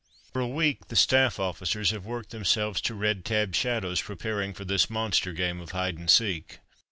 " For a week the staff officers have worked themselves to red tabbed shadows preparing for this monster game of hide and seek.